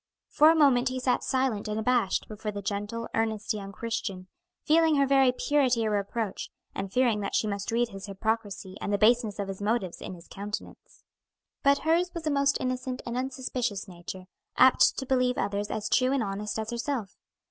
For a moment he sat silent and abashed before the gentle, earnest young Christian, feeling her very purity a reproach, and fearing that she must read his hypocrisy and the baseness of his motives in his countenance. But hers was a most innocent and unsuspicious nature, apt to believe others as true and honest as herself.